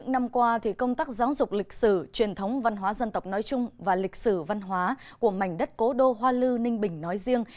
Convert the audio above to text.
năm qua công tác giáo dục lịch sử truyền thống văn hóa dân tộc nói chung và lịch sử văn hóa của mảnh đất cố đô hoa lư ninh bình nói riêng